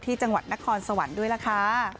จังหวัดนครสวรรค์ด้วยล่ะค่ะ